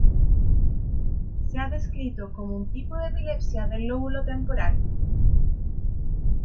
Se ha descrito como un tipo de epilepsia del lóbulo temporal.